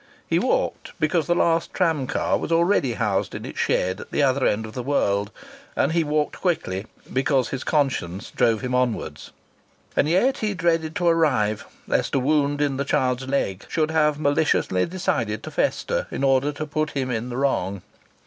He walked because the last tram car was already housed in its shed at the other end of the world, and he walked quickly because his conscience drove him onwards. And yet he dreaded to arrive, lest a wound in the child's leg should have maliciously decided to fester in order to put him in the wrong.